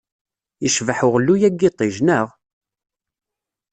Yecbeḥ uɣelluy-a n yiṭij, neɣ?